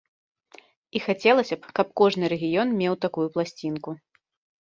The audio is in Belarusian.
І хацелася б, каб кожны рэгіён меў такую пласцінку.